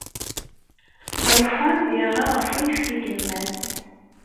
Alufan yerɣa ɣef uyefki n yemma-s.